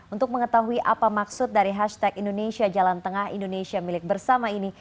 untuk mengetahui apa maksud dari hashtag indonesia jalan tengah indonesia milik bersama ini